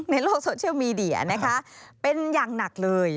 ในโลกโซเชียลมีเดียนะคะเป็นอย่างหนักเลย